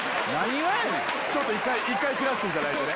ちょっと一回切らしていただいてね。